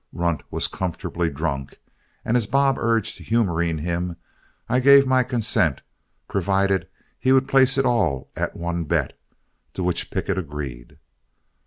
Runt was comfortably drunk, and as Bob urged humoring him, I gave my consent, provided he would place it all at one bet, to which Pickett agreed.